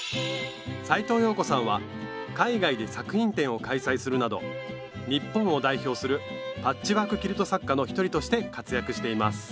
斉藤謠子さんは海外で作品展を開催するなど日本を代表するパッチワーク・キルト作家の一人として活躍しています